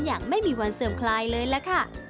อย่างไม่มีวันเสื่อมคลายเลยล่ะค่ะ